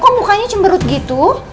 kok mukanya cemberut gitu